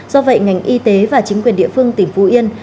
do vậy ngành y tế và chính quyền địa phương tỉnh phú yên